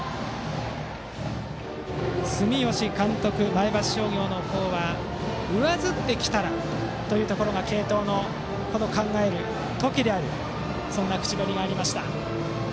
前橋商業の住吉監督は上ずってきたらというところが継投の考える時であるとそんな口ぶりがありました。